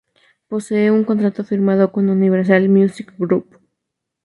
Posee un contrato firmado con Universal Music Group.